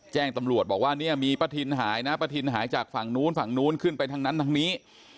แจ้งตำรวจบอกว่าเนี่ยมีป้าทินหายนะป้าทินหายจากฝั่งนู้นฝั่งนู้นขึ้นไปทางนั้นทางนี้